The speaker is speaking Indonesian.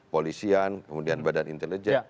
polisian kemudian badan intelijen